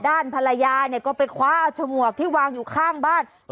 ด้านภรรยาเนี่ยก็ไปคว้าเอาฉมวกที่วางอยู่ข้างบ้าน